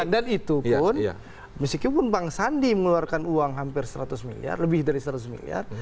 dan itu pun meskipun bank sandi mengeluarkan uang hampir seratus miliar lebih dari seratus miliar